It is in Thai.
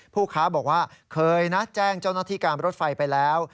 ผู้ค้าบอกว่าเคยแจ้งเจ้าหน้าธิการบริษัทไฟไปแล้ว